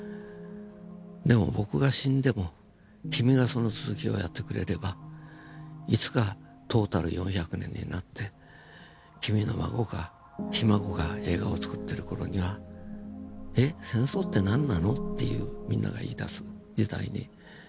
でも僕が死んでも君がその続きをやってくれればいつかトータル４００年になって君の孫がひ孫が映画をつくってる頃には「えっ戦争って何なの？」っていうみんなが言いだす時代になる。